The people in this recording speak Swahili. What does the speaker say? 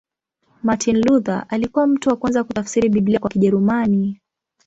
Martin Luther alikuwa mtu wa kwanza kutafsiri Biblia kwa Kijerumani.